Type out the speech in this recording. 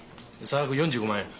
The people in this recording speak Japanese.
差額４５万円。